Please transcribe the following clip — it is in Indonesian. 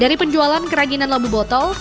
dari penjualan kerajinan labu botol